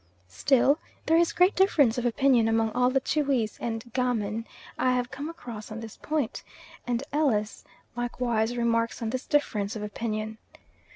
Still there is great difference of opinion among all the Tschwis and Ga men I have come across on this point, and Ellis likewise remarks on this difference of opinion.